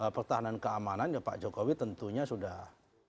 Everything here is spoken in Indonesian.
pertahanan keamanan ya pak jokowi tentunya sudah